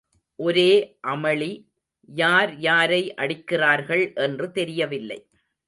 ஒரே அமளி... யார், யாரை அடிக்கிறார்கள் என்று தெரியவில்லை.